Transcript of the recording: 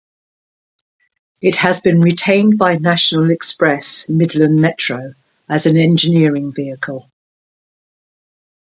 It has been retained by National Express Midland Metro as an engineering vehicle.